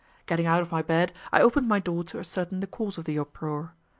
Getting out of my bed, I open my door to ascertain the cause of the uproar.